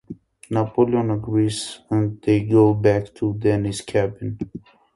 Napoleon agrees and they go back to Danny's cabin.